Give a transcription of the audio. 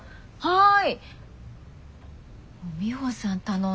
はい。